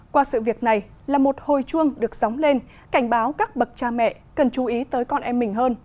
qua sự việc này là một hồi chuông được sóng lên cảnh báo các bậc cha mẹ cần chú ý tới con em mình hơn